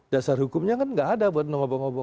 dasar hukumnya kan nggak ada buat ngobo ngobok